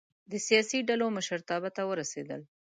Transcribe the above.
د سیاسي ډلو مشرتابه ته ورسېدل.